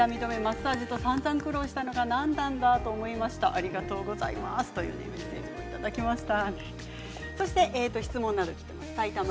ありがとうございますというメッセージもいただきました。